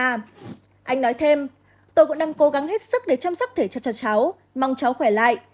anh nói thêm tôi cũng đang cố gắng hết sức để chăm sóc thể cho cháu mong cháu khỏe lại